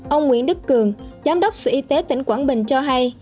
ông nguyễn đức cường giám đốc sở y tế tỉnh quảng bình cho hay